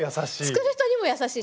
作る人にも優しい。